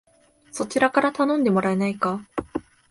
そちらから頼んでもらえないか